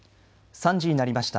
３時になりました。